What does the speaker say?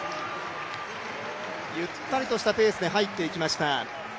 ゆったりとしたペースで入っていきました。